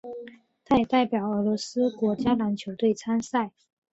他也代表俄罗斯国家篮球队参赛。